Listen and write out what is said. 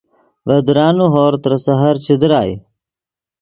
ڤے درانے ہورغ ترے سحر چے درائے